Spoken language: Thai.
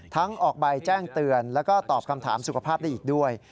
ออกใบแจ้งเตือนแล้วก็ตอบคำถามสุขภาพได้อีกด้วย